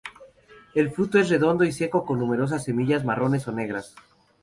El fruto es redondo y seco con numerosas semillas marrones o negras.